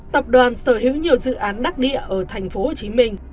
tập đoàn sở hữu nhiều dự án đắc địa ở thành phố hồ chí minh